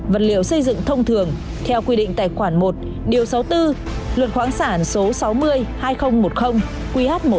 vật liệu xây dựng thông thường theo quy định tài khoản một điều sáu mươi bốn luật khoáng sản số sáu mươi hai nghìn một mươi qh một mươi hai của quốc hội